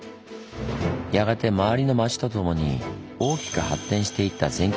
やがて周りの町とともに大きく発展していった善光寺。